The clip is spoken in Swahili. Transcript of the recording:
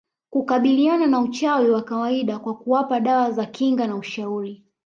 kukabiliana na uchawi wa kawaida kwa kuwapa dawa za kinga na ushauri